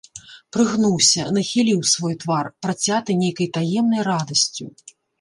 Прыгнуўся, нахіліў свой твар, працяты нейкай таемнай радасцю.